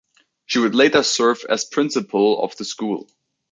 She would later serve as principal of the school.